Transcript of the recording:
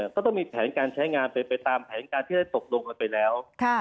ก็ต้องมีแผนการใช้งานเป็นไปตามแผนการที่ได้ตกลงกันไปแล้ว